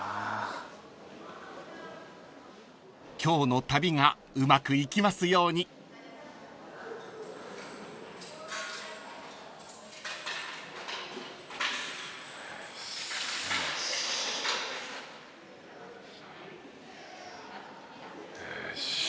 ［今日の旅がうまくいきますように］よし。